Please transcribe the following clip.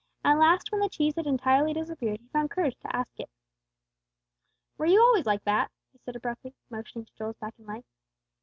At last, when the cheese had entirely disappeared, he found courage to ask it. "Were you always like that?" he said abruptly, motioning to Joel's back and leg.